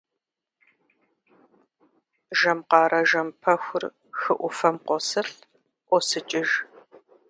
Жэм къарэ жэм пэхур хы ӏуфэм къосылӏ, ӏуосыкӏыж.